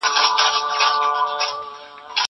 زه به اوږده موده شګه پاکه کړې وم!!